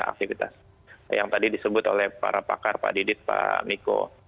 aktivitas yang tadi disebut oleh pak didit pak miko